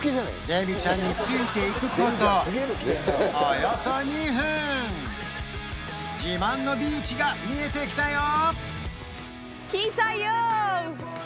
デミちゃんについていくことおよそ２分自慢のビーチが見えてきたよ